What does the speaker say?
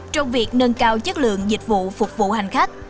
trong việc nâng cao chất lượng dịch vụ phục vụ hành khách